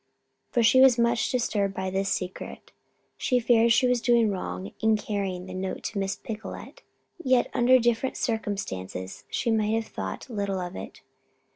For she was much disturbed by this secret. She feared she was doing wrong in carrying the note to Miss Picolet. Yet, under different circumstances, she might have thought little of it.